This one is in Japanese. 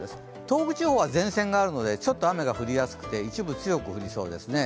東北地方は前線があるので、ちょっと雨が降りやすくて一部強く降りそうですね。